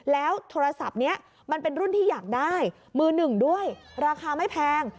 แล้วโทรศัพท์นี้มันเป็นรุ่นที่อยากได้มือหนึ่งด้วยราคาไม่แพง